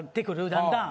だんだん。